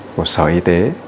của sở y tế